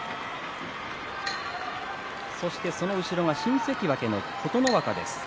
そしてその後ろが新関脇の琴ノ若です。